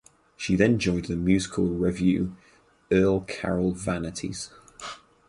She then joined the musical revue "Earl Carroll Vanities".